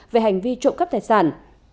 về hành vi trộm cắp tài sản